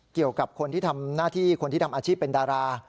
เกี่ยวกับคนที่ทำหน้าที่คนที่ทำอาชีพเป็นดารา